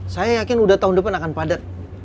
saya yakin udah tahun depan akan padat